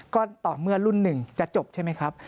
ก็ต่อเมื่อรุ่นหนึ่งจะจบใช่ไหมครับ